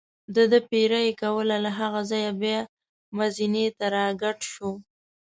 دده پیره یې کوله، له هغه ځایه بیا مزینې ته را کډه شو.